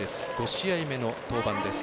５試合目の登板です。